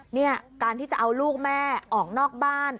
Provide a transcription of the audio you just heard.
เนี่ยการที่จะเอาลูกแม่ออกนอกบ้าน